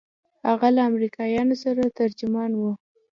هغه له امريکايانو سره ترجمان و.